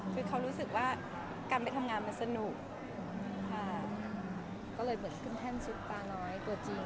คือเขารู้สึกว่าการไปทำงานมันสนุกค่ะก็เลยเหมือนฝึกกานะ้กลัวจริง